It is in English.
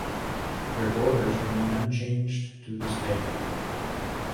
Their borders remain unchanged to this day.